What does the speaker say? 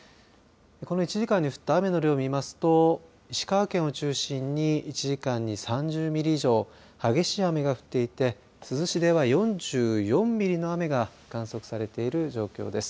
この１時間に降った雨の量を見ますと石川県を中心に１時間に３０ミリ以上激しい雨が降っていて珠洲市では４４ミリの雨が観測されている状況です。